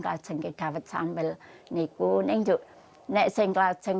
karena saya ingin menjelaskan